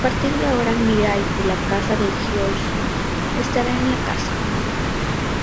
A partir de ahora Mirai y la casa de Hiroshi estarán en la casa.